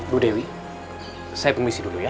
bu dewi saya komisi dulu ya